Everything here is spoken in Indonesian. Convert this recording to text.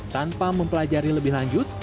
tanpa mempelajari lebih lanjut